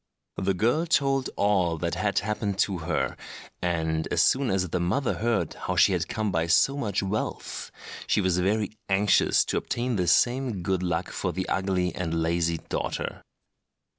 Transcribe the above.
The girl told all that had happened to her; and as soon as the mother heard how she had come by so much wealth, she was very anxious to obtain the same good luck for the ugly and lazy daughter.